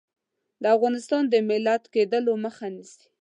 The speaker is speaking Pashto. د افغانستان د ملت کېدلو مخه نیسي.